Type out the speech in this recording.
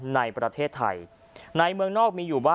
ในประเทศไทย